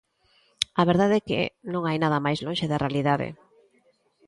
A verdade é que non hai nada máis lonxe da realidade.